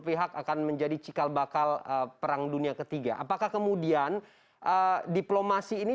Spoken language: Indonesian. pihak akan menjadi cikal bakal perang dunia ketiga apakah kemudian diplomasi ini